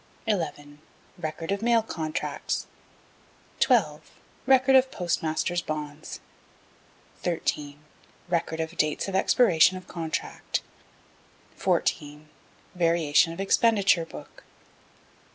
11. Record of Mail Contracts. 12. Record of Postmaster's Bonds. 13. Record of dates of expiration of Contract. 14. Variation of Expenditure Book.